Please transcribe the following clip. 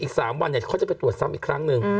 อีก๓วันเขาจะไปตรวจซ้ำอีกครั้งหนึ่ง